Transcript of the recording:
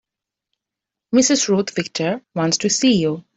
Mrs. Ruth Victor wants to see you.